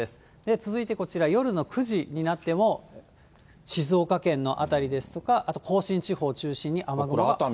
続いてこちら、夜の９時になっても、静岡県の辺りですとか、あと甲信地方中心に雨雲が発生しやすい。